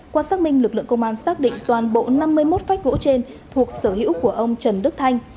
qua xác minh lực lượng công an xác định toàn bộ năm mươi một phách gỗ trên thuộc sở hữu của ông trần đức thanh